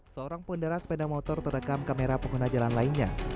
seorang penderan sepeda motor terdekam kamera pengguna jalan lainnya